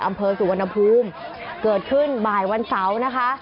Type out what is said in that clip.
อำเภอสุวรรณภูมิเกิดขึ้นบ่ายวันเสาร์นะคะ